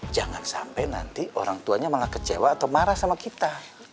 jangan sampai nanti orang tuanya malah kecewa atau marah sama kita